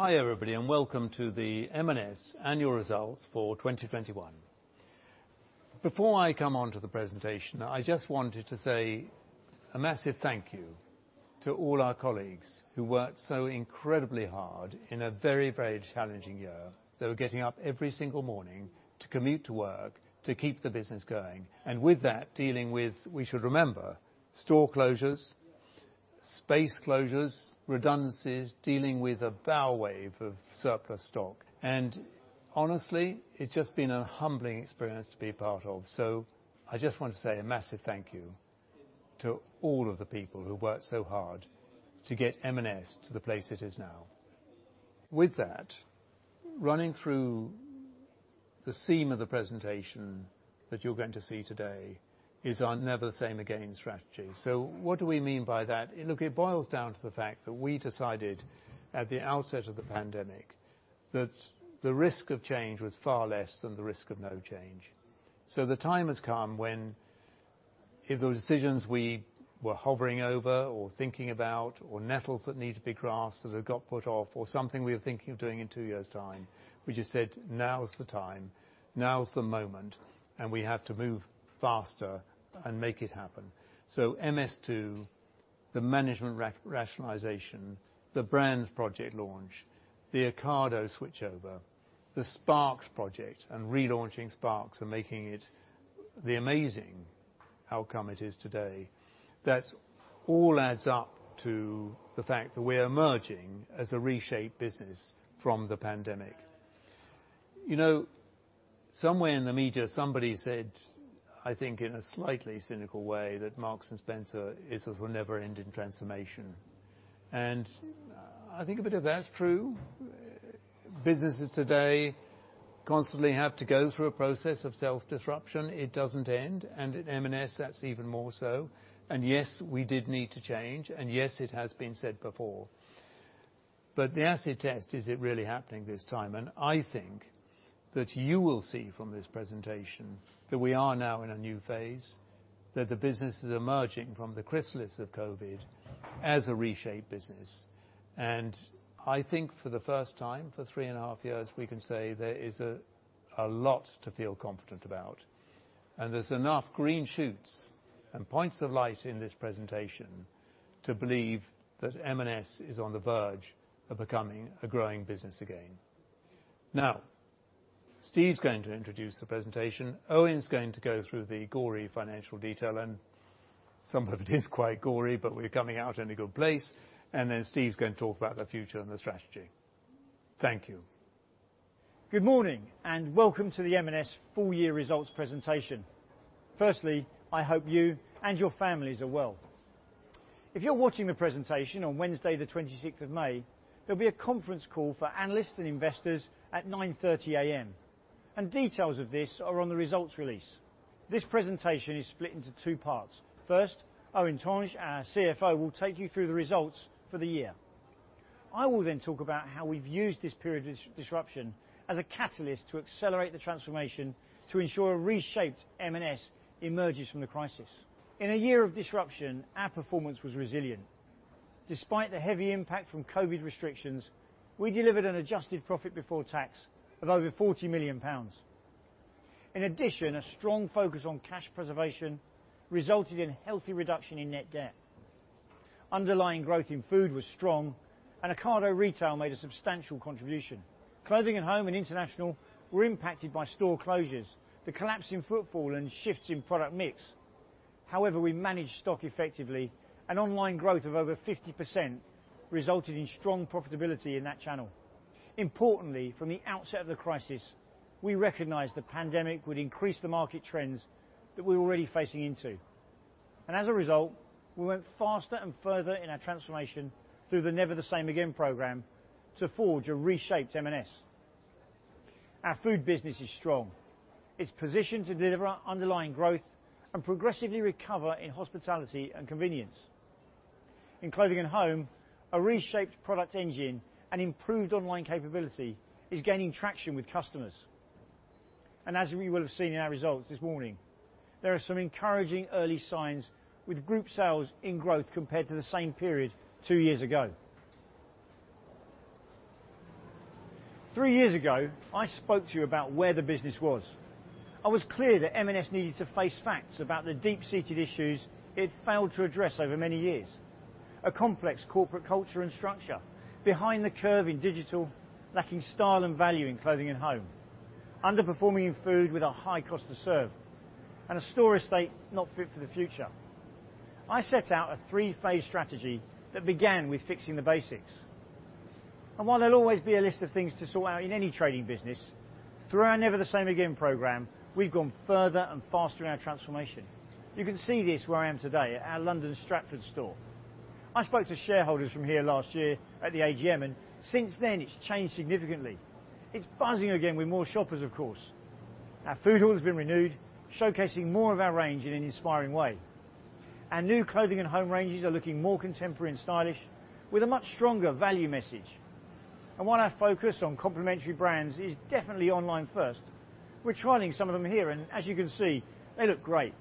Hi, everybody, welcome to the M&S annual results for 2021. Before I come onto the presentation, I just wanted to say a massive thank you to all our colleagues who worked so incredibly hard in a very challenging year. Getting up every single morning to commute to work, to keep the business going, and with that, dealing with, we should remember, store closures, space closures, redundancies, dealing with a bow wave of surplus stock. Honestly, it's just been a humbling experience to be a part of. I just want to say a massive thank you to all of the people who worked so hard to get M&S to the place it is now. With that, running through the theme of the presentation that you're going to see today is our Never the Same Again strategy. What do we mean by that? It boils down to the fact that we decided at the outset of the pandemic that the risk of change was far less than the risk of no change. The time has come when the decisions we were hovering over, or thinking about, or nettles that need to be grasped that had got put off, or something we were thinking of doing in two years' time, we just said, "Now is the time. Now is the moment, and we have to move faster and make it happen." MS2, the management rationalization, the brands project launch, the Ocado switchover, the Sparks project, and relaunching Sparks and making it the amazing outcome it is today. That all adds up to the fact that we are emerging as a reshaped business from the pandemic. Somewhere in the media, somebody said, I think in a slightly cynical way, that Marks & Spencer is a never-ending transformation. I think a bit of that's true. Businesses today constantly have to go through a process of self-disruption. It doesn't end, and at M&S, that's even more so. Yes, we did need to change, and yes, it has been said before. The acid test, is it really happening this time? I think that you will see from this presentation that we are now in a new phase, that the business is emerging from the chrysalis of COVID as a reshaped business. I think for the first time for three and a half years, we can say there is a lot to feel confident about, and there's enough green shoots and points of light in this presentation to believe that M&S is on the verge of becoming a growing business again. Steve's going to introduce the presentation. Eoin's going to go through the gory financial detail, and some of it is quite gory, but we're coming out in a good place, and then Steve's going to talk about the future and the strategy. Thank you. Good morning, welcome to the M&S full-year results presentation. Firstly, I hope you and your families are well. If you're watching the presentation on Wednesday the 26th of May, there'll be a conference call for analysts and investors at 9:30 A.M., details of this are on the results release. This presentation is split into two parts. First, Eoin Tonge, our CFO, will take you through the results for the year. I will then talk about how we've used this period of disruption as a catalyst to accelerate the transformation to ensure a reshaped M&S emerges from the crisis. In a year of disruption, our performance was resilient. Despite the heavy impact from COVID restrictions, we delivered an adjusted profit before tax of over 40 million pounds. In addition, a strong focus on cash preservation resulted in a healthy reduction in net debt. Underlying growth in food was strong. Ocado Retail made a substantial contribution. Clothing & Home and International were impacted by store closures, the collapse in footfall, and shifts in product mix. However, we managed stock effectively. Online growth of over 50% resulted in strong profitability in that channel. Importantly, from the outset of the crisis, we recognized the pandemic would increase the market trends that we were already facing into. As a result, we went faster and further in our transformation through the Never the Same Again program to forge a reshaped M&S. Our Food business is strong. It's positioned to deliver underlying growth and progressively recover in hospitality and convenience. In Clothing & Home, a reshaped product engine and improved online capability is gaining traction with customers. As you will have seen in our results this morning, there are some encouraging early signs with group sales in growth compared to the same period two years ago. Three years ago, I spoke to you about where the business was. I was clear that M&S needed to face facts about the deep-seated issues it failed to address over many years. A complex corporate culture and structure behind the curve in digital, lacking style and value in Clothing & Home, underperforming in Food with a high cost to serve, and a store estate not fit for the future. I set out a three-phase strategy that began with fixing the basics. While there'll always be a list of things to sort out in any trading business, through our Never the Same Again program, we've gone further and faster in our transformation. You can see this where I am today at our London Stratford store. I spoke to shareholders from here last year at the AGM. Since then, it's changed significantly. It's buzzing again with more shoppers, of course. Our food hall has been renewed, showcasing more of our range in an inspiring way. Our new Clothing & Home ranges are looking more contemporary and stylish with a much stronger value message. While our focus on complementary brands is definitely online first, we're trialing some of them here, and as you can see, they look great.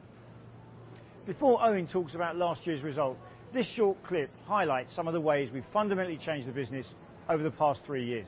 Before Eoin talks about last year's result, this short clip highlights some of the ways we've fundamentally changed the business over the past three years.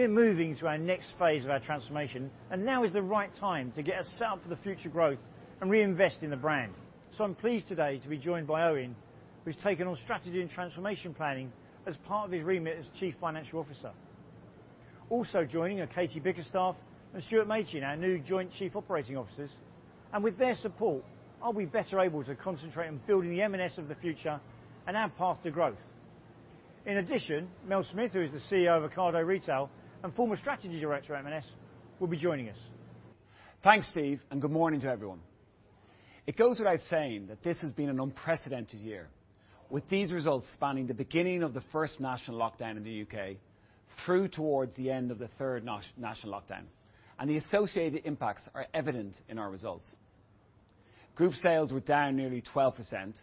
We're moving to our next phase of our transformation, and now is the right time to get us set up for the future growth and reinvest in the brand. I'm pleased today to be joined by Eoin, who's taken on strategy and transformation planning as part of his remit as Chief Financial Officer. Also joining are Katie Bickerstaffe and Stuart Machin, our new Joint Chief Operating Officers. With their support, I'll be better able to concentrate on building the M&S of the future and our path to growth. In addition, Melanie Smith, who is the CEO of Ocado Retail and former strategy director at M&S, will be joining us. Thanks, Steve, good morning to everyone. It goes without saying that this has been an unprecedented year, with these results spanning the beginning of the first national lockdown in the U.K. through towards the end of the third national lockdown, the associated impacts are evident in our results. Group sales were down nearly 12%,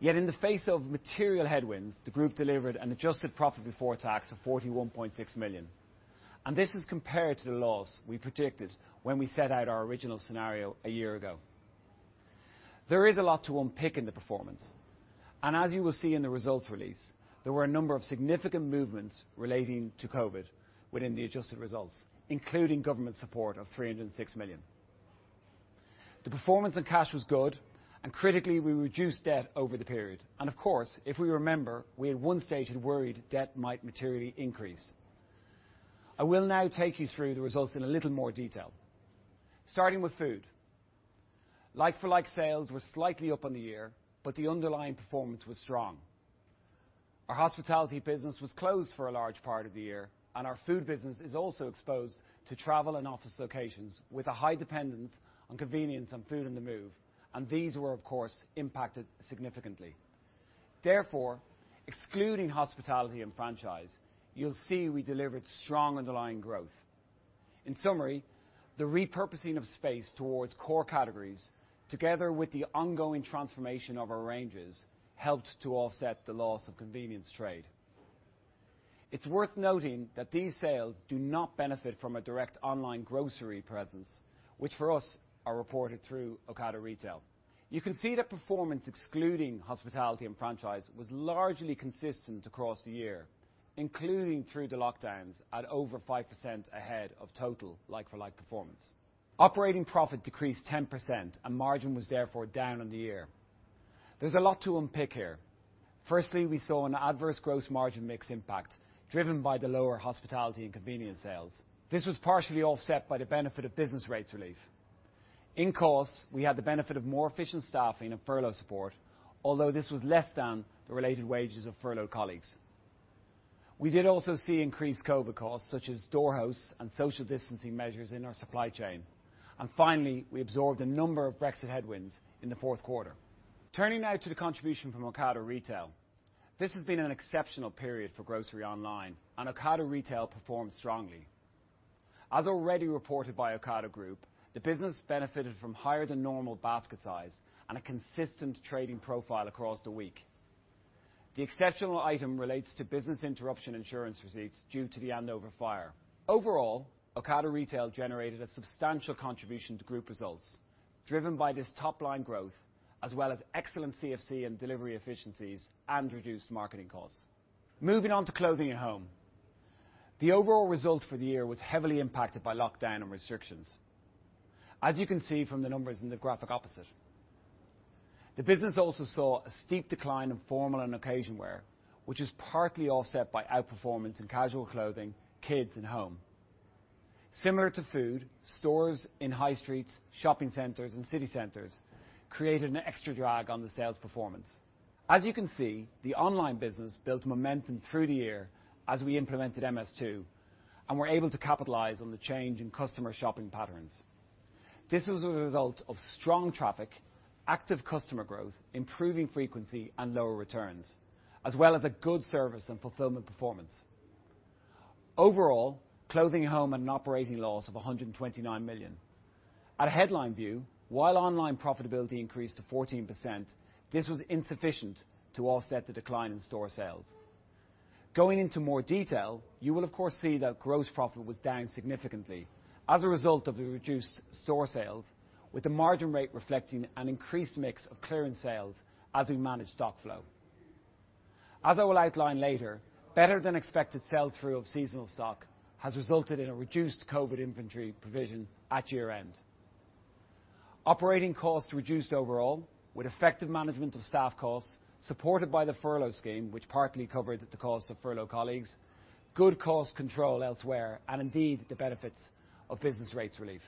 yet in the face of material headwinds, the group delivered an adjusted profit before tax of 41.6 million. This is compared to the loss we predicted when we set out our original scenario a year ago. There is a lot to unpick in the performance, and as you will see in the results release, there were a number of significant movements relating to COVID within the adjusted results, including government support of 306 million. The performance of cash was good, and critically, we reduced debt over the period. Of course, if we remember, we at one stage had worried debt might materially increase. I will now take you through the results in a little more detail. Starting with food. Like-for-like sales were slightly up on the year, but the underlying performance was strong. Our hospitality business was closed for a large part of the year, and our food business is also exposed to travel and office locations with a high dependence on convenience and food on the move, and these were, of course, impacted significantly. Excluding hospitality and franchise, you'll see we delivered strong underlying growth. In summary, the repurposing of space towards core categories, together with the ongoing transformation of our ranges, helped to offset the loss of convenience trade. It's worth noting that these sales do not benefit from a direct online grocery presence, which for us are reported through Ocado Retail. You can see the performance excluding hospitality and franchise was largely consistent across the year, including through the lockdowns at over 5% ahead of total like-for-like performance. Operating profit decreased 10% and margin was therefore down on the year. There's a lot to unpick here. Firstly, we saw an adverse gross margin mix impact driven by the lower hospitality and convenience sales. This was partially offset by the benefit of business rates relief. In costs, we had the benefit of more efficient staffing and furlough support, although this was less than the related wages of furloughed colleagues. We did also see increased COVID costs, such as door hosts and social distancing measures in our supply chain. Finally, we absorbed a number of Brexit headwinds in the fourth quarter. Turning now to the contribution from Ocado Retail. This has been an exceptional period for grocery online, and Ocado Retail performed strongly. As already reported by Ocado Group, the business benefited from higher than normal basket size and a consistent trading profile across the week. The exceptional item relates to business interruption insurance receipts due to the Andover fire. Overall, Ocado Retail generated a substantial contribution to group results driven by this top-line growth as well as excellent CFC and delivery efficiencies and reduced marketing costs. Moving on to Clothing & Home. The overall result for the year was heavily impacted by lockdown and restrictions as you can see from the numbers in the graphic opposite. The business also saw a steep decline in formal and occasion wear, which is partly offset by outperformance in casual clothing, kids, and home. Similar to food, stores in high streets, shopping centers, and city centers created an extra drag on the sales performance. As you can see, the online business-built momentum through the year as we implemented MS2 and were able to capitalize on the change in customer shopping patterns. This was a result of strong traffic, active customer growth, improving frequency, and lower returns, as well as a good service and fulfillment performance. Overall, Clothing & Home had an operating loss of 129 million. At a headline view, while online profitability increased to 14%, this was insufficient to offset the decline in store sales. Going into more detail, you will of course see that gross profit was down significantly as a result of the reduced store sales, with the margin rate reflecting an increased mix of clearance sales as we manage stock flow. As I will outline later, better than expected sell-through of seasonal stock has resulted in a reduced COVID inventory provision at year-end. Operating costs reduced overall with effective management of staff costs supported by the furlough scheme, which partly covered the cost of furloughed colleagues, good cost control elsewhere, and indeed, the benefits of business rates relief.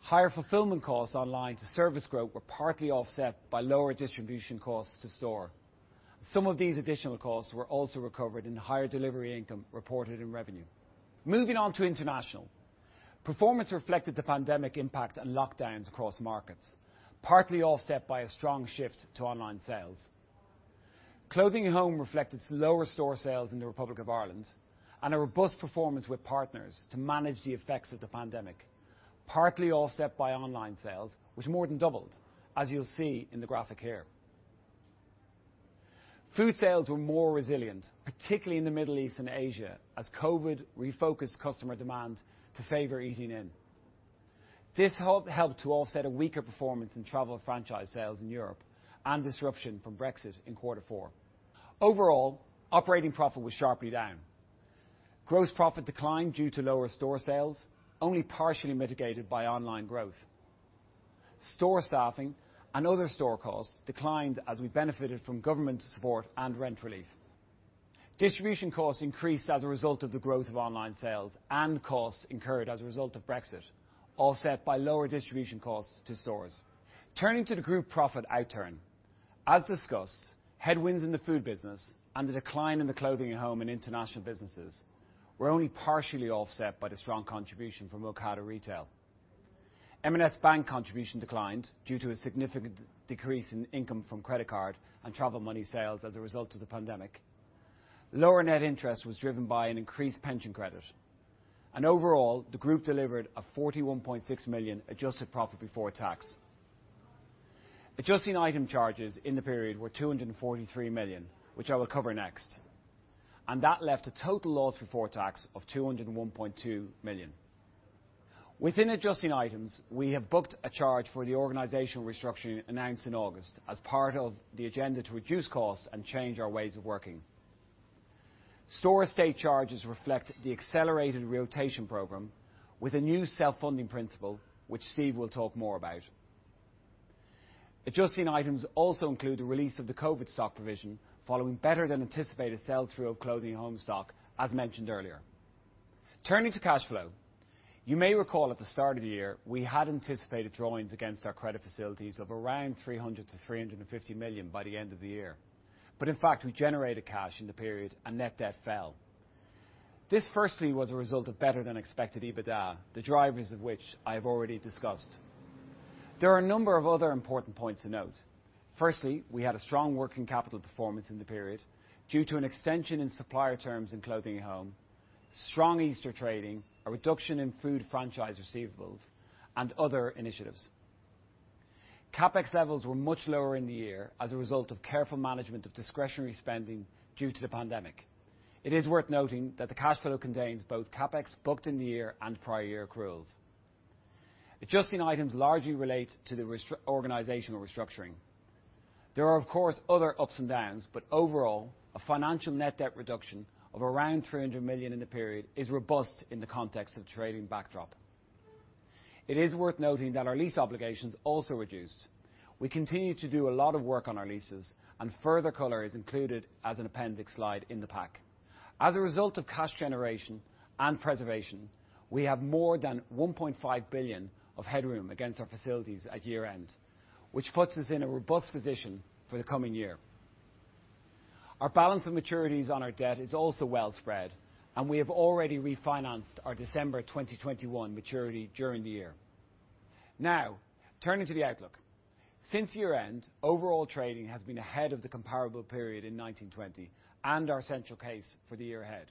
Higher fulfillment costs online to service growth were partly offset by lower distribution costs to store. Some of these additional costs were also recovered in higher delivery income reported in revenue. Moving on to international. Performance reflected the pandemic impact and lockdowns across markets, partly offset by a strong shift to online sales. Clothing & Home reflected slower store sales in the Republic of Ireland and a robust performance with partners to manage the effects of the pandemic, partly offset by online sales, which more than doubled as you'll see in the graphic here. Food sales were more resilient, particularly in the Middle East and Asia, as COVID refocused customer demand to favor eating in. This helped to offset a weaker performance in travel franchise sales in Europe and disruption from Brexit in quarter four. Overall, operating profit was sharply down. Gross profit declined due to lower store sales, only partially mitigated by online growth. Store staffing and other store costs declined as we benefited from government support and rent relief. Distribution costs increased as a result of the growth of online sales and costs incurred as a result of Brexit, offset by lower distribution costs to stores. Turning to the group profit outturn. As discussed, headwinds in the food business and the decline in the Clothing & Home and international businesses were only partially offset by the strong contribution from Ocado Retail. M&S Bank contribution declined due to a significant decrease in income from credit card and travel money sales as a result of the pandemic. Lower net interest was driven by an increased pension credit. Overall, the group delivered a 41.6 million adjusted profit before tax. Adjusting item charges in the period were 243 million, which I will cover next. That left a total loss before tax of 201.2 million. Within adjusting items, we have booked a charge for the organizational restructuring announced in August as part of the agenda to reduce costs and change our ways of working. Store estate charges reflect the accelerated rotation program with a new self-funding principle, which Steve will talk more about. Adjusting items also include the release of the COVID stock provision following better than anticipated sell-through of Clothing & Home stock, as mentioned earlier. Turning to cash flow. You may recall at the start of the year, we had anticipated drawings against our credit facilities of around 300 million-350 million by the end of the year. In fact, we generated cash in the period and net debt fell. This firstly was a result of better-than-expected EBITDA, the drivers of which I have already discussed. There are a number of other important points to note. Firstly, we had a strong working capital performance in the period due to an extension in supplier terms in Clothing & Home, strong Easter trading, a reduction in food franchise receivables, and other initiatives. CapEx levels were much lower in the year as a result of careful management of discretionary spending due to the pandemic. It is worth noting that the cash flow contains both CapEx booked in the year and prior year accruals. Adjusting items largely relate to the organizational restructuring. There are, of course, other ups and downs, but overall, a financial net debt reduction of around 300 million in the period is robust in the context of the trading backdrop. It is worth noting that our lease obligations also reduced. We continue to do a lot of work on our leases, and further color is included as an appendix slide in the pack. As a result of cash generation and preservation, we have more than 1.5 billion of headroom against our facilities at year-end, which puts us in a robust position for the coming year. Our balance of maturities on our debt is also well-spread, and we have already refinanced our December 2021 maturity during the year. Now, turning to the outlook. Since year-end, overall trading has been ahead of the comparable period in 19/20 and our central case for the year ahead,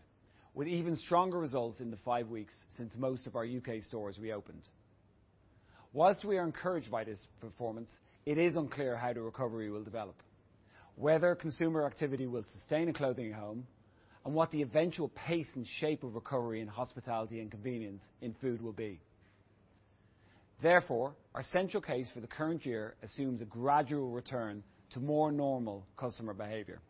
with even stronger results in the five weeks since most of our U.K. stores reopened. Whilst we are encouraged by this performance, it is unclear how the recovery will develop, whether consumer activity will sustain in Clothing & Home, and what the eventual pace and shape of recovery in hospitality and convenience in food will be. Therefore, our central case for the current year assumes a gradual return to more normal customer behavior.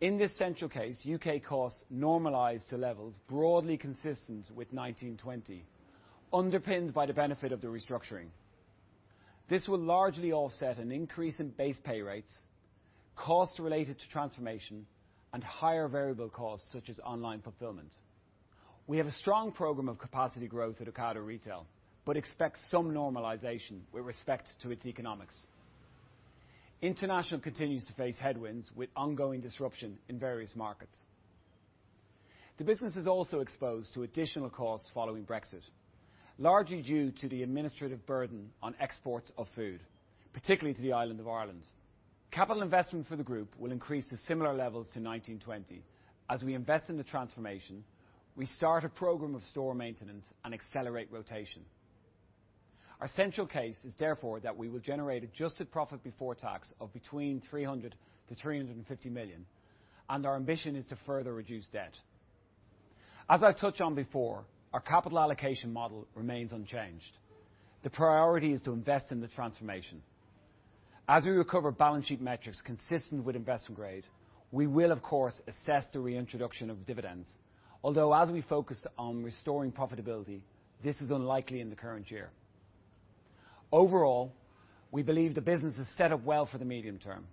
In this central case, U.K. costs normalize to levels broadly consistent with 19/20, underpinned by the benefit of the restructuring. This will largely offset an increase in base pay rates, costs related to transformation, and higher variable costs such as online fulfillment. We have a strong program of capacity growth at Ocado Retail, but expect some normalization with respect to its economics. International continues to face headwinds with ongoing disruption in various markets. The business is also exposed to additional costs following Brexit, largely due to the administrative burden on exports of food, particularly to the island of Ireland. Capital investment for the group will increase to similar levels to 19/20. As we invest in the transformation, we start a program of store maintenance and accelerate rotation. Our central case is therefore that we will generate adjusted profit before tax of between 300 million-350 million, and our ambition is to further reduce debt. As I touched on before, our capital allocation model remains unchanged. The priority is to invest in the transformation. As we recover balance sheet metrics consistent with investment grade, we will of course assess the reintroduction of dividends, although as we focus on restoring profitability, this is unlikely in the current year. Overall, we believe the business is set up well for the medium term.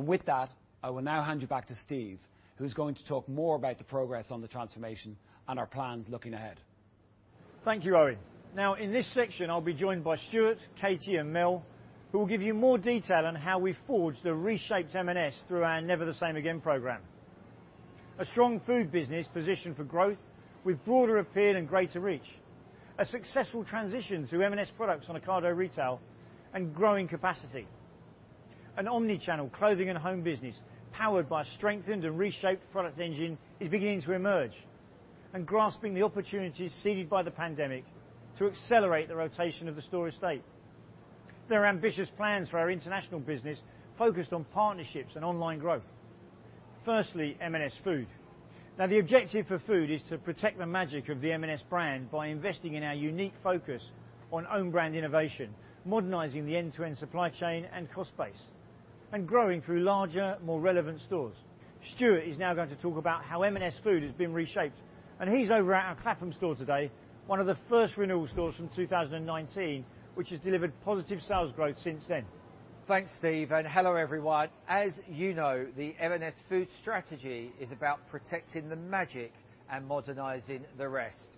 With that, I will now hand you back to Steve, who's going to talk more about the progress on the transformation and our plans looking ahead. Thank you, Eoin. In this section, I'll be joined by Stuart, Katie, and Mel, who will give you more detail on how we forge the reshaped M&S through our Never the Same Again program. A strong food business positioned for growth with broader appeal and greater reach, a successful transition to M&S products on Ocado Retail, and growing capacity. An omnichannel Clothing & Home business powered by a strengthened and reshaped product engine is beginning to emerge and grasping the opportunities seeded by the pandemic to accelerate the rotation of the store estate. There are ambitious plans for our international business focused on partnerships and online growth. M&S Food. The objective for Food is to protect the magic of the M&S brand by investing in our unique focus on own brand innovation, modernizing the end-to-end supply chain and cost base, and growing through larger, more relevant stores. Stuart is now going to talk about how M&S Food has been reshaped, and he's over at our Clapham store today, one of the first renewal stores from 2019, which has delivered positive sales growth since then. Thanks, Steve, hello, everyone. As you know, the M&S Food strategy is about protecting the magic and modernizing the rest.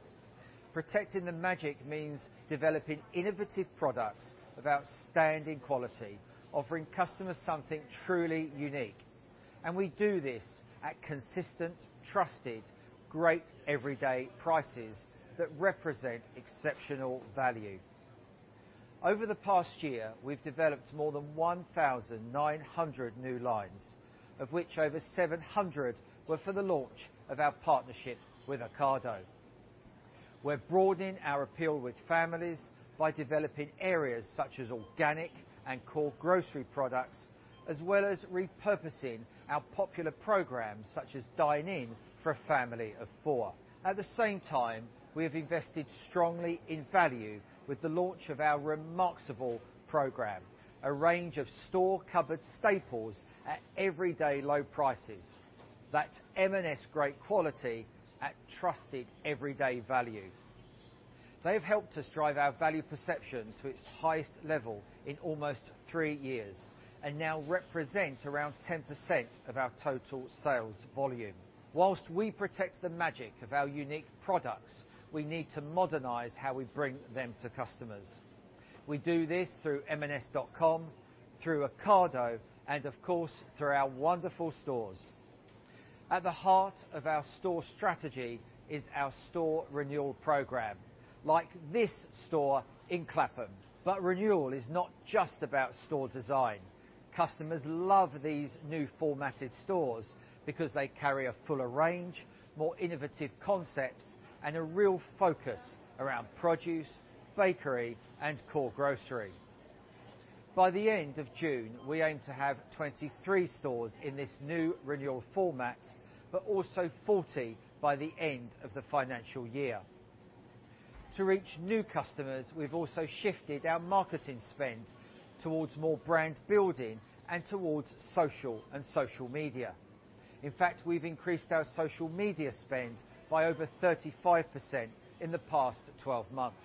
Protecting the magic means developing innovative products of outstanding quality, offering customers something truly unique. We do this at consistent, trusted, great everyday prices that represent exceptional value. Over the past year, we've developed more than 1,900 new lines, of which over 700 were for the launch of our partnership with Ocado. We're broadening our appeal with families by developing areas such as organic and core grocery products, as well as repurposing our popular programs such as Dine In for a family of four. At the same time, we have invested strongly in value with the launch of our Remarksable program, a range of store cupboard staples at everyday low prices. That's M&S great quality at trusted everyday value. They have helped us drive our value perception to its highest level in almost three years and now represent around 10% of our total sales volume. Whilst we protect the magic of our unique products, we need to modernize how we bring them to customers. We do this through m&s.com, through Ocado, and of course, through our wonderful stores. At the heart of our store strategy is our store renewal program, like this store in Clapham. Renewal is not just about store design. Customers love these new formatted stores because they carry a fuller range, more innovative concepts, and a real focus around produce, bakery, and core grocery. By the end of June, we aim to have 23 stores in this new renewal format, but also 40 by the end of the financial year. To reach new customers, we've also shifted our marketing spend towards more brand building and towards social and social media. In fact, we've increased our social media spend by over 35% in the past 12 months.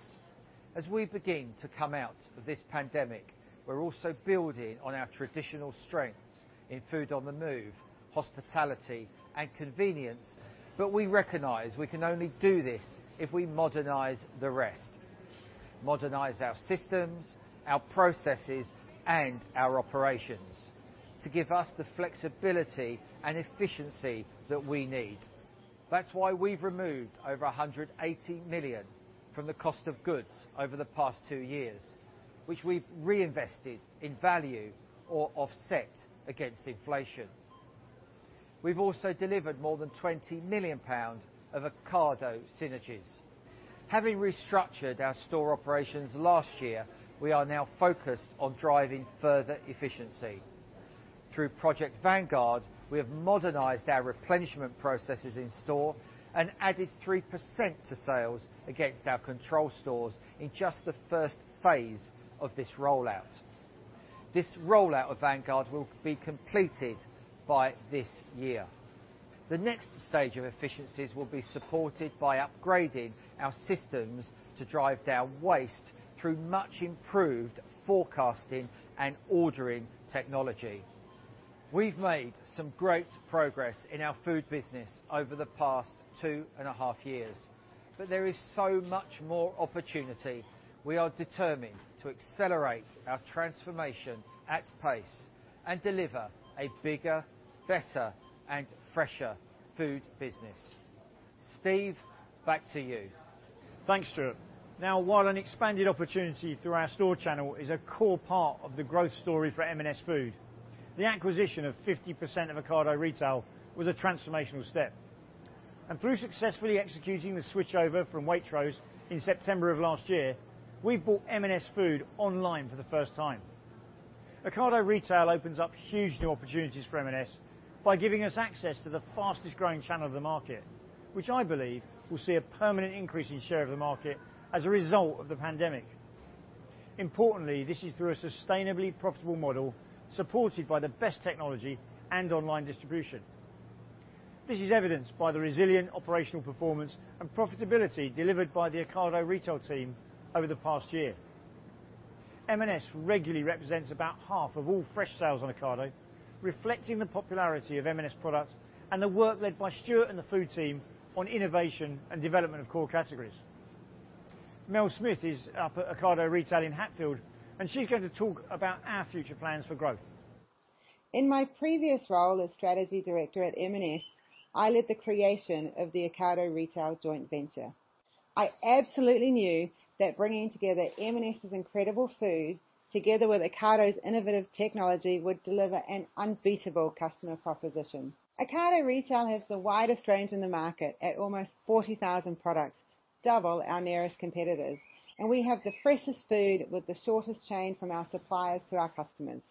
As we begin to come out of this pandemic, we're also building on our traditional strengths in food on the move, hospitality, and convenience. We recognize we can only do this if we modernize the rest, modernize our systems, our processes, and our operations to give us the flexibility and efficiency that we need. That's why we've removed over 180 million from the cost of goods over the past two years, which we've reinvested in value or offset against inflation. We've also delivered more than 20 million pounds of Ocado synergies. Having restructured our store operations last year, we are now focused on driving further efficiency. Through Project Vangarde, we have modernized our replenishment processes in store and added 3% to sales against our control stores in just the first phase of this rollout. This rollout of Vangarde will be completed by this year. The next stage of efficiencies will be supported by upgrading our systems to drive down waste through much improved forecasting and ordering technology. We've made some great progress in our food business over the past two and a half years, but there is so much more opportunity. We are determined to accelerate our transformation at pace and deliver a bigger, better, and fresher food business, Steve, back to you. Thanks, Stuart. While an expanded opportunity through our store channel is a core part of the growth story for M&S Food, the acquisition of 50% of Ocado Retail was a transformational step, and through successfully executing the switchover from Waitrose in September of last year, we've brought M&S Food online for the first time. Ocado Retail opens up huge new opportunities for M&S by giving us access to the fastest-growing channel of the market, which I believe will see a permanent increase in share of the market as a result of the pandemic. Importantly, this is through a sustainably profitable model supported by the best technology and online distribution. This is evidenced by the resilient operational performance and profitability delivered by the Ocado Retail team over the past year. M&S regularly represents about half of all fresh sales on Ocado, reflecting the popularity of M&S products and the work led by Stuart and the Food team on innovation and development of core categories. Melanie Smith is up at Ocado Retail in Hatfield, and she's going to talk about our future plans for growth. In my previous role as strategy director at M&S, I led the creation of the Ocado Retail joint venture. I absolutely knew that bringing together M&S's incredible food together with Ocado's innovative technology would deliver an unbeatable customer proposition. Ocado Retail has the widest range in the market at almost 40,000 products, double our nearest competitors, and we have the freshest food with the shortest chain from our suppliers to our customers.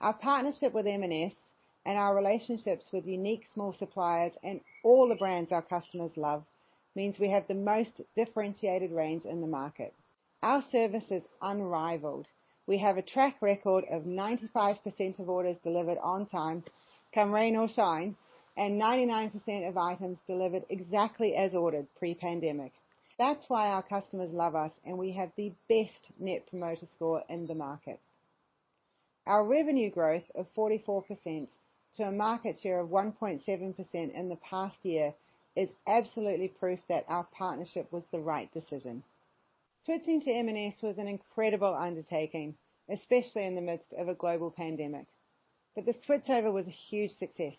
Our partnership with M&S and our relationships with unique small suppliers and all the brands our customers love means we have the most differentiated range in the market. Our service is unrivaled. We have a track record of 95% of orders delivered on time, come rain or shine, and 99% of items delivered exactly as ordered pre-pandemic. That's why our customers love us and we have the best Net Promoter Score in the market. Our revenue growth of 44% to a market share of 1.7% in the past year is absolutely proof that our partnership was the right decision. Switching to M&S was an incredible undertaking, especially in the midst of a global pandemic, but the switchover was a huge success.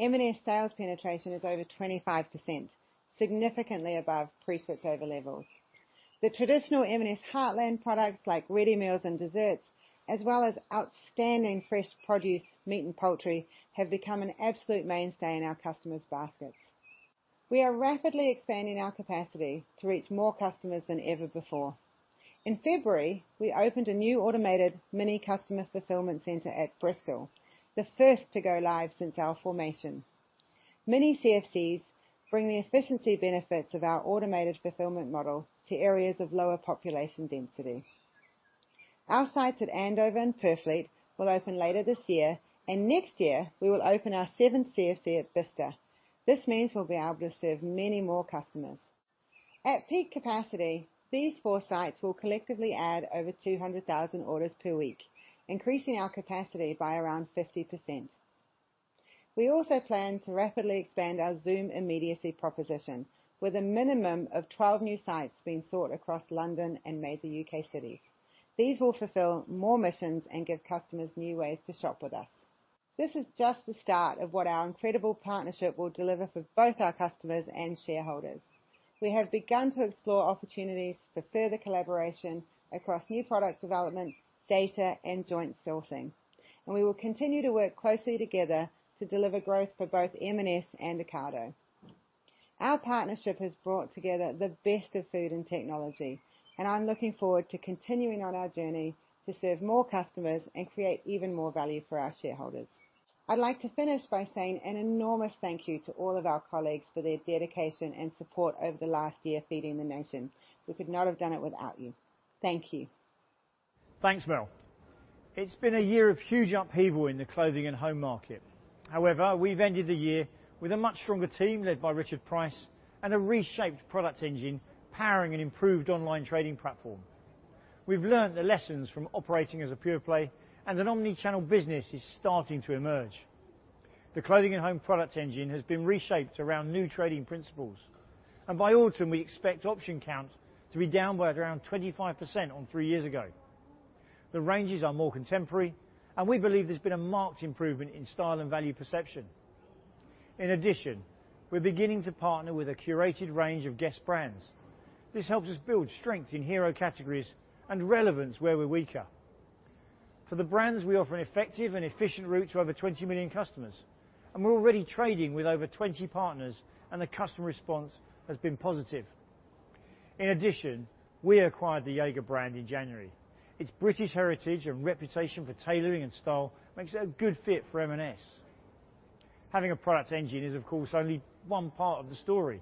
M&S sales penetration is over 25%, significantly above pre-switchover levels. The traditional M&S heartland products like ready meals and desserts, as well as outstanding fresh produce, meat, and poultry, have become an absolute mainstay in our customers' baskets. We are rapidly expanding our capacity to reach more customers than ever before. In February, we opened a new automated mini customer fulfillment center at Bristol, the first to go live since our formation. Mini CFCs bring the efficiency benefits of our automated fulfillment model to areas of lower population density. Our sites at Andover and Purfleet will open later this year. Next year we will open our seventh CFC at Bicester. This means we'll be able to serve many more customers. At peak capacity, these four sites will collectively add over 200,000 orders per week, increasing our capacity by around 50%. We also plan to rapidly expand our Zoom immediacy proposition with a minimum of 12 new sites being sought across London and major U.K. cities. These will fulfill more missions and give customers new ways to shop with us. This is just the start of what our incredible partnership will deliver for both our customers and shareholders. We have begun to explore opportunities for further collaboration across new product development, data, and joint sourcing. We will continue to work closely together to deliver growth for both M&S and Ocado. Our partnership has brought together the best of food and technology. I'm looking forward to continuing on our journey to serve more customers and create even more value for our shareholders. I'd like to finish by saying an enormous thank you to all of our colleagues for their dedication and support over the last year feeding the nation. We could not have done it without you. Thank you. Thanks, Mel. It's been a year of huge upheaval in the Clothing & Home market. However, we've ended the year with a much stronger team led by Richard Price and a reshaped product engine powering an improved online trading platform. We've learned the lessons from operating as a pure play and an omnichannel business is starting to emerge. The Clothing & Home product engine has been reshaped around new trading principles, and by autumn, we expect option count to be down by around 25% on three years ago. The ranges are more contemporary, and we believe there's been a marked improvement in style and value perception. In addition, we're beginning to partner with a curated range of guest brands. This helps us build strength in hero categories and relevance where we're weaker. For the brands, we offer an effective and efficient route to over 20 million customers, and we're already trading with over 20 partners, and the customer response has been positive. In addition, we acquired the Jaeger brand in January. Its British heritage and reputation for tailoring and style makes it a good fit for M&S. Having a product engine is, of course, only one part of the story.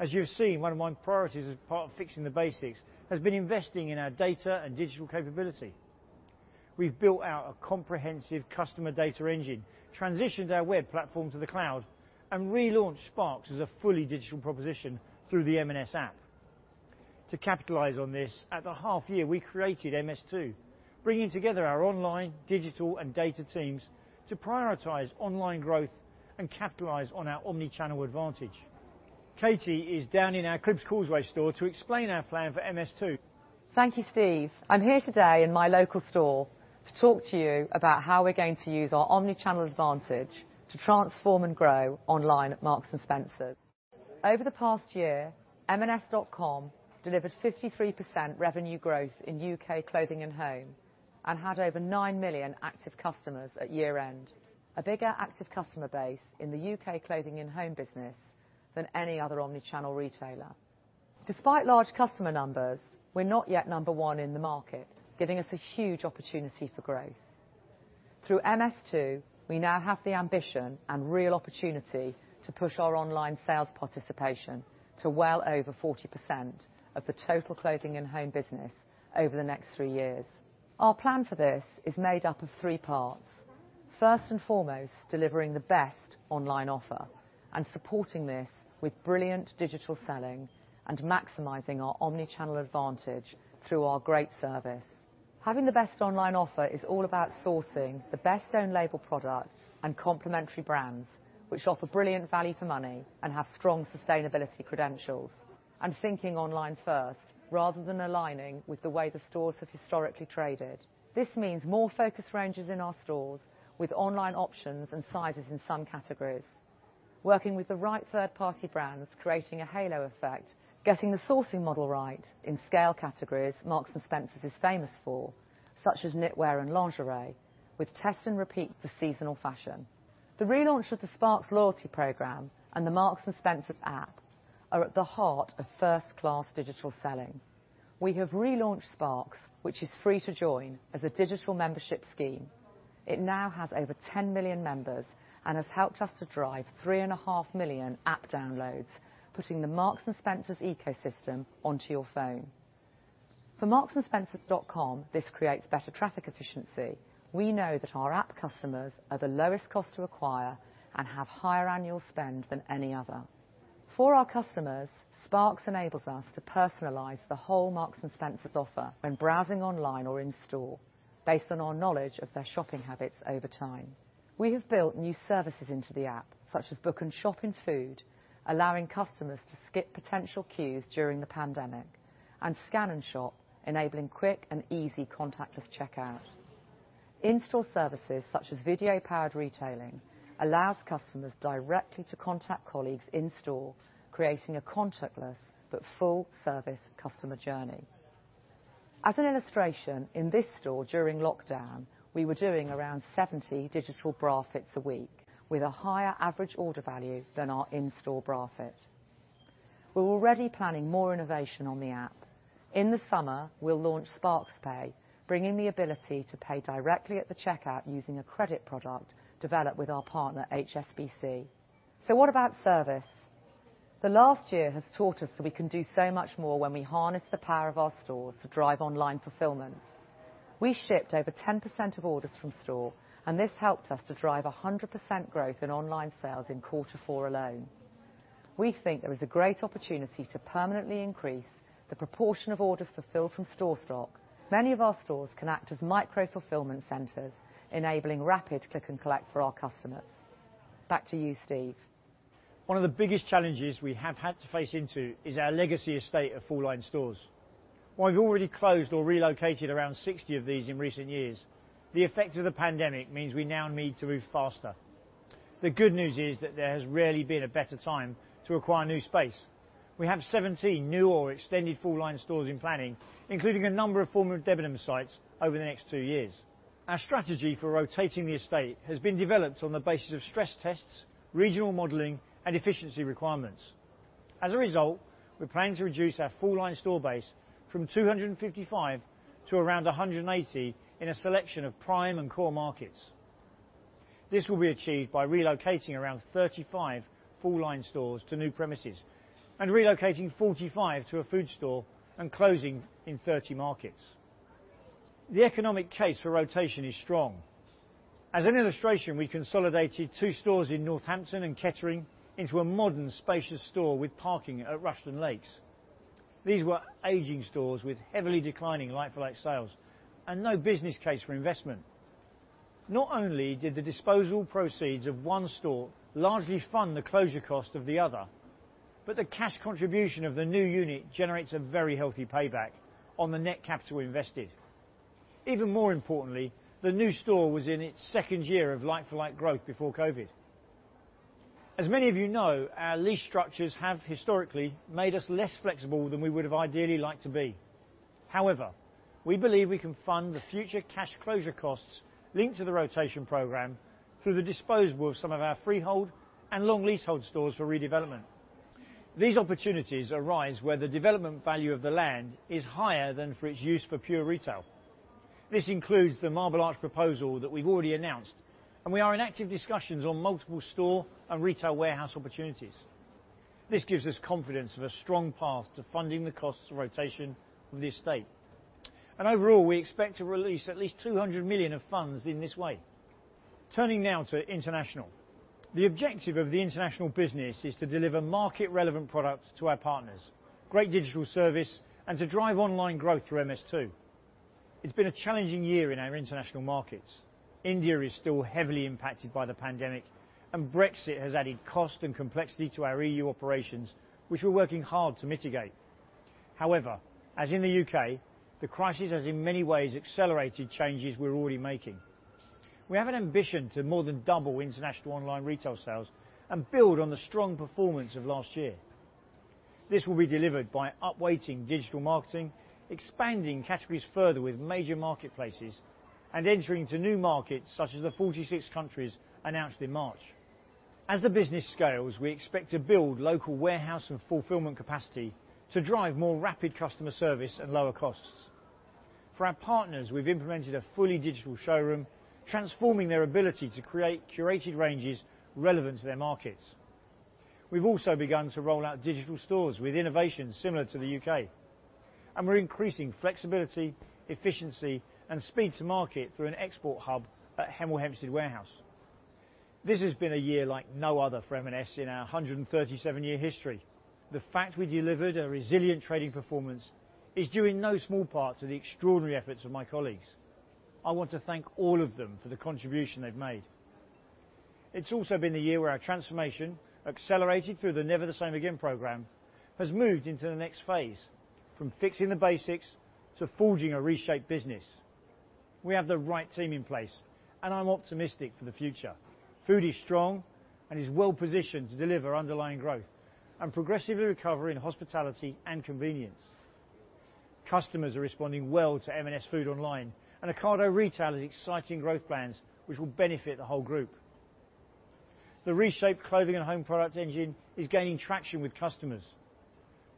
As you have seen, one of my priorities as part of fixing the basics has been investing in our data and digital capability. We've built out a comprehensive customer data engine, transitioned our web platform to the cloud, and relaunched Sparks as a fully digital proposition through the M&S app. To capitalize on this, at the half year, we created MS2, bringing together our online, digital, and data teams to prioritize online growth and capitalize on our omnichannel advantage. Katie is down in our Cribbs Causeway store to explain our plan for MS2 Thank you, Steve. I'm here today in my local store to talk to you about how we're going to use our omni-channel advantage to transform and grow online at Marks & Spencer. Over the past year, m&s.com delivered 53% revenue growth in UK Clothing & Home and had over 9 million active customers at year-end, a bigger active customer base in the UK Clothing & Home business than any other omni-channel retailer. Despite large customer numbers, we're not yet number one in the market, giving us a huge opportunity for growth. Through MS2, we now have the ambition and real opportunity to push our online sales participation to well over 40% of the total Clothing & Home business over the next three years. Our plan for this is made up of three parts. First and foremost, delivering the best online offer and supporting this with brilliant digital selling and maximizing our omni-channel advantage through our great service. Having the best online offer is all about sourcing the best own label products and complementary brands which offer brilliant value for money and have strong sustainability credentials and thinking online first rather than aligning with the way the stores have historically traded. This means more focused ranges in our stores with online options and sizes in some categories. Working with the right third-party brands, creating a halo effect, getting the sourcing model right in scale categories Marks & Spencer is famous for, such as knitwear and lingerie, with test and repeat for seasonal fashion. The relaunch of the Sparks loyalty program and the Marks & Spencer app are at the heart of first-class digital selling. We have relaunched Sparks, which is free to join, as a digital membership scheme. It now has over 10 million members and has helped us to drive 3.5 million app downloads, putting the Marks & Spencer ecosystem onto your phone. For marksandspencer.com, this creates better traffic efficiency. We know that our app customers are the lowest cost to acquire and have higher annual spend than any other. For our customers, Sparks enables us to personalize the whole Marks & Spencer offer when browsing online or in store based on our knowledge of their shopping habits over time. We have built new services into the app, such as Book & Shop in Food, allowing customers to skip potential queues during the pandemic, and Scan & Shop, enabling quick and easy contactless checkout. In-store services such as video-powered retailing allows customers directly to contact colleagues in store, creating a contactless but full-service customer journey. As an illustration, in this store during lockdown, we were doing around 70 digital bra fits a week with a higher average order value than our in-store bra fit. We're already planning more innovation on the app. In the summer, we'll launch Sparks Pay, bringing the ability to pay directly at the checkout using a credit product developed with our partner HSBC. What about service? The last year has taught us that we can do so much more when we harness the power of our stores to drive online fulfillment. We shipped over 10% of orders from store, and this helped us to drive 100% growth in online sales in quarter four alone. We think there is a great opportunity to permanently increase the proportion of orders fulfilled from store stock. Many of our stores can act as micro-fulfillment centers, enabling rapid click and collect for our customers. Back to you, Steve. One of the biggest challenges we have had to face into is our legacy estate of full-line stores. While we've already closed or relocated around 60 of these in recent years, the effect of the pandemic means we now need to move faster. The good news is that there has rarely been a better time to acquire new space. We have 17 new or extended full-line stores in planning, including a number of former Debenhams sites over the next two years. Our strategy for rotating the estate has been developed on the basis of stress tests, regional modeling, and efficiency requirements. As a result, we plan to reduce our full-line store base from 255 to around 180 in a selection of prime and core markets. This will be achieved by relocating around 35 full-line stores to new premises and relocating 45 to a food store and closing in 30 markets. The economic case for rotation is strong. As an illustration, we consolidated two stores in Northampton and Kettering into a modern, spacious store with parking at Rushden Lakes. These were aging stores with heavily declining like-for-like sales and no business case for investment. Not only did the disposal proceeds of one store largely fund the closure cost of the other, but the cash contribution of the new unit generates a very healthy payback on the net capital invested. Even more importantly, the new store was in its second year of like-for-like growth before COVID. As many of you know, our lease structures have historically made us less flexible than we would've ideally liked to be. However, we believe we can fund the future cash closure costs linked to the rotation program through the disposal of some of our freehold and long leasehold stores for redevelopment. These opportunities arise where the development value of the land is higher than for its use for pure retail. This includes the Marble Arch proposal that we've already announced. We are in active discussions on multiple store and retail warehouse opportunities. This gives us confidence of a strong path to funding the costs of rotation of the estate. Overall, we expect to release at least 200 million of funds in this way. Turning now to international. The objective of the international business is to deliver market-relevant products to our partners, great digital service, and to drive online growth through MS2. It's been a challenging year in our international markets. India is still heavily impacted by the pandemic. Brexit has added cost and complexity to our EU operations, which we're working hard to mitigate. However, as in the U.K., the crisis has in many ways accelerated changes we're already making. We have an ambition to more than double international online retail sales and build on the strong performance of last year. This will be delivered by up-weighting digital marketing, expanding categories further with major marketplaces, and entering to new markets such as the 46 countries announced in March. As the business scales, we expect to build local warehouse and fulfillment capacity to drive more rapid customer service at lower costs. For our partners, we've implemented a fully digital showroom, transforming their ability to create curated ranges relevant to their markets. We've also begun to roll out digital stores with innovations similar to the U.K. We're increasing flexibility, efficiency, and speed to market through an export hub at Hemel Hempstead warehouse. This has been a year like no other for M&S in our 137-year history. The fact we delivered a resilient trading performance is due in no small part to the extraordinary efforts of my colleagues. I want to thank all of them for the contribution they've made. It's also been the year where our transformation accelerated through the Never the Same Again program, has moved into the next phase, from fixing the basics to forging a reshaped business. We have the right team in place, and I'm optimistic for the future. Food is strong and is well-positioned to deliver underlying growth and progressively recover in hospitality and convenience. Customers are responding well to M&S Food online and Ocado Retail has exciting growth plans which will benefit the whole group. The reshaped Clothing & Home products engine is gaining traction with customers.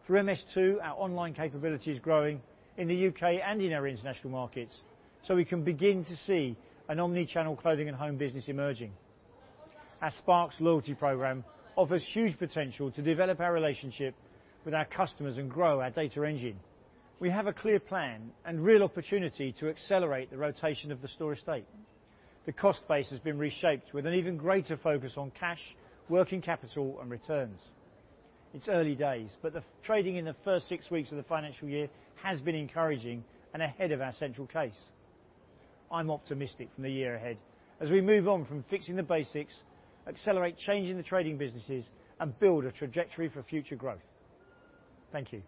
For MS2, our online capability is growing in the U.K. and in our international markets, so we can begin to see an omni-channel Clothing & Home business emerging. Our Sparks loyalty program offers huge potential to develop our relationship with our customers and grow our data engine. We have a clear plan and real opportunity to accelerate the rotation of the store estate. The cost base has been reshaped with an even greater focus on cash, working capital, and returns. It's early days, but the trading in the first six weeks of the financial year has been encouraging and ahead of our central case. I'm optimistic for the year ahead as we move on from fixing the basics, accelerate change in the trading businesses, and build a trajectory for future growth. Thank you.